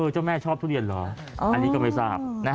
เจ้าแม่ชอบทุเรียนเหรออันนี้ก็ไม่ทราบ